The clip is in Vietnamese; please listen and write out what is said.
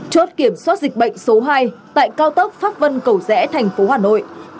chốt kiểm soát dịch bệnh số hai tại cao tốc pháp vân cầu rẽ thành phố hà nội